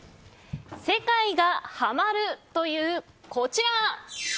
世界がハマるというこちら！